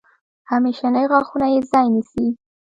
همیشني غاښونه یې ځای نیسي.